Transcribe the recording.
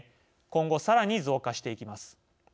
今後、さらに増加していきます。